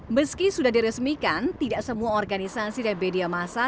meski sudah diresmikan tidak semua organisasi dan media masa